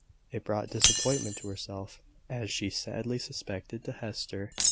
It brought disappointment to herself, and, as she sadly suspected, to Hester.